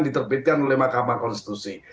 diterbitkan oleh mahkamah konstitusi